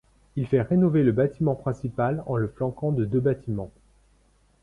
Il fait rénover le bâtiment principal en le flanquant de deux bâtiments.